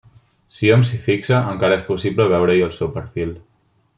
Si hom s'hi fixa, encara és possible veure-hi el seu perfil.